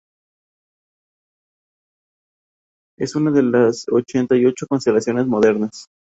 Es una de las ochenta y ocho constelaciones modernas.